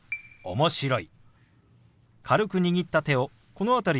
「面白い」。